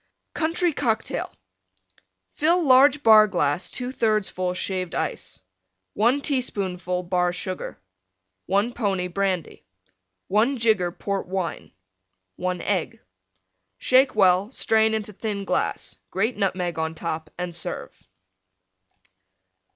COUNTRY COCKTAIL Fill large Bar glass 2/3 full Shaved Ice. 1 teaspoonful Bar Sugar. 1 pony Brandy. 1 jigger Port Wine. 1 Egg. Shake well; strain into thin glass; grate Nutmeg on top and serve.